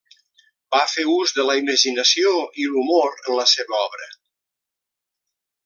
Va fer ús de la imaginació i l'humor en la seva obra.